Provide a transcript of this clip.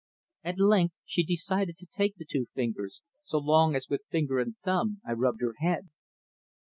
At length she decided to take the two fingers, so long as with finger and thumb I rubbed her head.